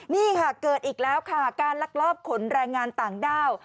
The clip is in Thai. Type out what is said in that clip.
นี่ค่ะเกิดอีกแล้วค่ะการลักลอบขนแรงงานต่างด้าว